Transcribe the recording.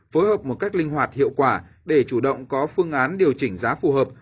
phối hợp một cách linh hoạt hiệu quả để chủ động có phương án điều chỉnh giá phù hợp